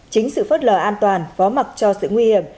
chính sự phất lờ an toàn phó mặc cho sự nguy hiểm